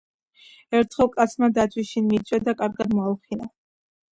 ერთხელ კაცმა დათვი შინ მიიწვია და კარგად მოალხინა.